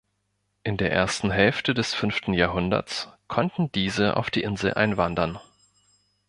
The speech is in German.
In der ersten Hälfte des fünften Jahrhunderts konnten diese auf die Insel einwandern.